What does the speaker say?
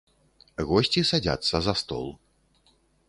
Госці садзяцца за стол.